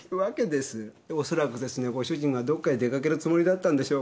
でおそらくですねご主人がどっかへ出かけるつもりだったんでしょうか。